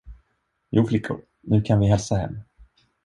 Jo, flickor, nu kan vi hälsa hem.